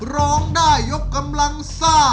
ร้องได้ยกกำลังซ่า